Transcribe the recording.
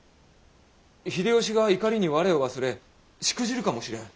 秀吉が怒りに我を忘れしくじるかもしれん。